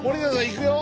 いくよ。